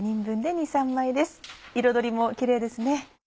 彩りもキレイですね。